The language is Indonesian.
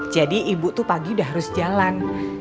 jadi ibu tuh pagi udah harus jalan